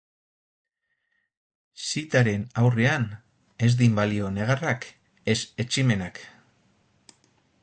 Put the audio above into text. Sittahren aurrean ez din balio negarrak, ez etsimenak.